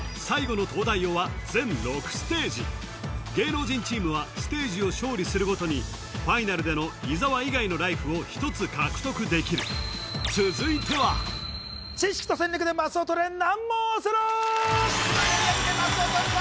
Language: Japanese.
最後の東大王は全６ステージ芸能人チームはステージを勝利するごとにファイナルでの伊沢以外のライフを１つ獲得できる続いては知識と戦略でマスを取れ！